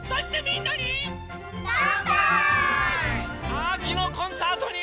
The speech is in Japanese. あきのコンサートに。